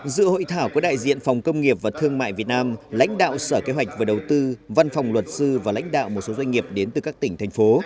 dự hội thảo có đại diện phòng công nghiệp và thương mại việt nam lãnh đạo sở kế hoạch và đầu tư văn phòng luật sư và lãnh đạo một số doanh nghiệp đến từ các tỉnh thành phố